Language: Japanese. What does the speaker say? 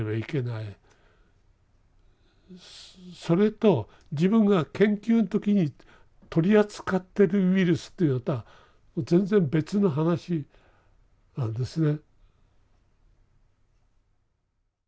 それと自分が研究の時に取り扱ってるウイルスというのとは全然別の話なんですね。